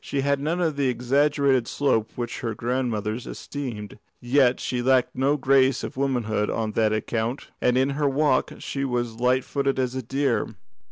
She had none of that exaggerated slope which our grandmothers esteemed, yet she lacked no grace of womanhood on that account, and in her walk she was light footed as a deer.